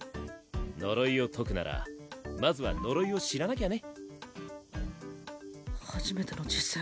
呪いを解くならまずは呪いを知らなきゃね。